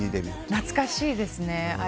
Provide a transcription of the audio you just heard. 懐かしいですね。